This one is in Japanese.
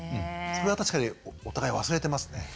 それは確かにお互い忘れてますね。